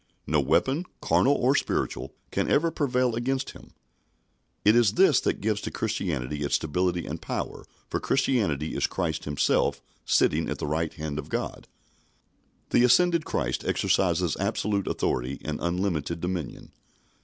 No weapon, carnal or spiritual, can ever prevail against Him. It is this that gives to Christianity its stability and power, for Christianity is Christ Himself sitting at the right hand of God. The ascended Christ exercises absolute authority and unlimited dominion.